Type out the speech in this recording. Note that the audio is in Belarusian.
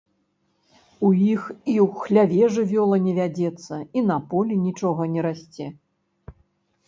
У іх і ў хляве жывёла не вядзецца і на полі нічога не расце.